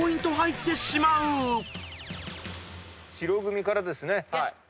白組からですね。